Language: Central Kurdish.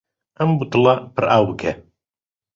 ئەم بوتڵە پڕ ئاو بکە.